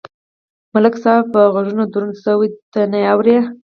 ملک صاحب په غوږونو دروند شوی ټخ نه اوري.